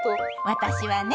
私はね